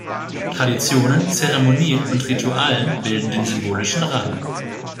Traditionen, Zeremonien und Ritualen bilden den symbolischen Rahmen.